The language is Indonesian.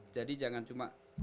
jadi jangan cuma